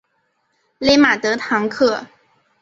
勒马德唐克。